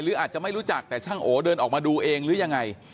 อาจจะไม่รู้จักแต่ช่างโอเดินออกมาดูเองหรือยังไง